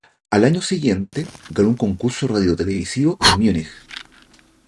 Al año siguiente, ganó un concurso radio-televisivo en Múnich.